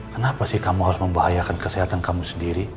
kenapa sih kamu harus membahayakan kesehatan kamu sendiri